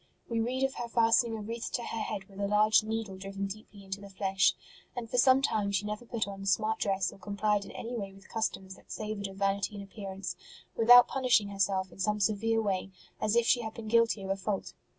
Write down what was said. We read of her fastening a wreath to her head with a large needle driven deeply into the flesh ; and for some time she never put on a smart dress or complied in any way with customs that savoured of vanity in appearance without punishing herself in some severe way, as if she had been guilty of a fault.